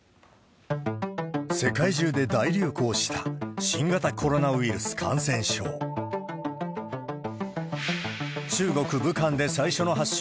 世界中で大流行した新型コロナウイルス感染症。